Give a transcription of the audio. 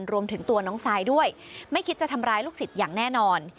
รวมถึงตัวน้องซายด้วยไม่คิดจะทำร้ายลูกศิษย์อย่างแน่นอน